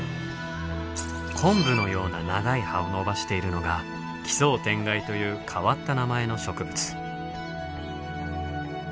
昆布のような長い葉を伸ばしているのがキソウテンガイという変わった名前の植物。